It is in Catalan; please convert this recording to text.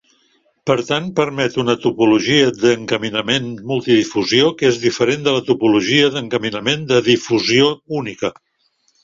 Per tant, permet una topologia d"encaminament multidifusió que és diferent de la topologia d"encaminament de difusió única.